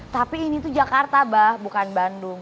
tapi ini tuh jakarta bah bukan bandung